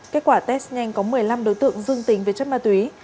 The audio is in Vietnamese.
kết quả test nhanh có một mươi năm đối tượng dương tính với chất ma túy